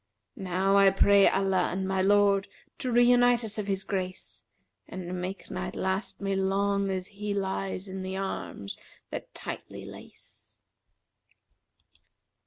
Now I pray Allah and my Lord * To reunite us of His grace And make night last me long as he * Lies in the arms that tightly lace.'